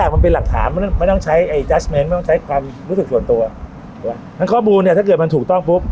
ไม่ต้องใช้ไม่ต้องใช้ความรู้สึกส่วนตัวถ้าเกิดมันถูกต้องปุ๊บ